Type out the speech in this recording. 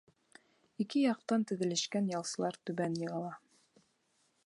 Ике яҡтан теҙелешкән ялсылар түбән йығыла.